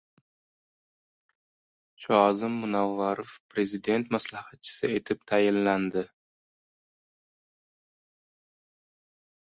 Shoazim Munavvarov Prezident maslahatchisi etib tayinlandi